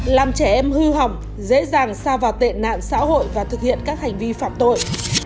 làm trẻ em hư hỏng dễ dàng xa vào tệ nạn xã hội và thực hiện các hành vi phạm tội